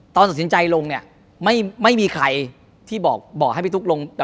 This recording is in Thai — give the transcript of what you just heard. ตอนตัดสินใจลงเนี่ยไม่มีใครที่บอกให้พี่ตุ๊กลง